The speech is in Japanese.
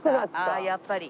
ああやっぱり。